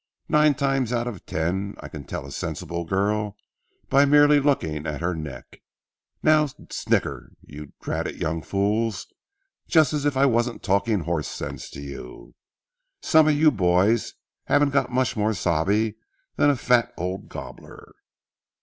Nine times out of ten, I can tell a sensible girl by merely looking at her neck. Now snicker, you dratted young fools, just as if I wasn't talking horse sense to you. Some of you boys haven't got much more sabe than a fat old gobbler."